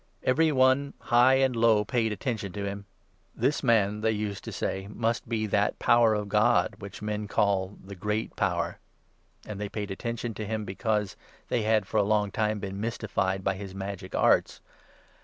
Every one, high and low, paid attention to him. 'This man,' they used to say, ' must be that Power of God which men call " The Great Power.'" And they paid attention to him because they had for a long time been mystified by his magic arts.